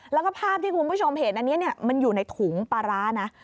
แล้วก็ภาพที่คุณผู้ชมเห็นอันนี้มันอยู่ในถุงปลาร้านะ